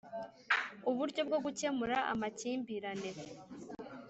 Uburyo bwo gukemura amakimbirane